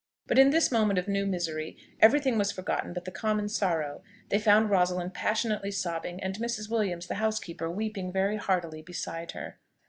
But in this moment of new misery every thing was forgotten but the common sorrow: they found Rosalind passionately sobbing, and Mrs. Williams, the housekeeper, weeping very heartily beside her.